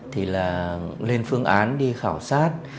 thì là lên phương án đi khảo sát